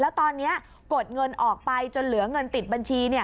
แล้วตอนนี้กดเงินออกไปจนเหลือเงินติดบัญชี